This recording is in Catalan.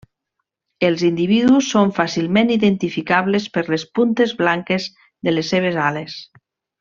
Els individus són fàcilment identificables per les puntes blanques de les seves ales.